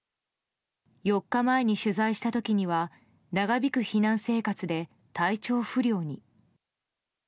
４日前に取材した時には長引く避難生活で体調不良に。